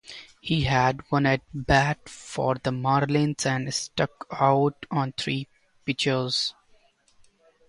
He had one at bat for the Marlins and struck out on three pitches.